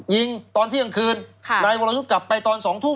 ยิงตอนเที่ยงคืนนายวรยุทธ์กลับไปตอน๒ทุ่ม